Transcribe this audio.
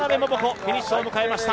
フィニッシュを迎えました。